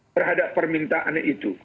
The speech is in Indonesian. terhadap permintaan itu